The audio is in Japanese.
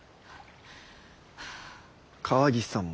川岸さんも。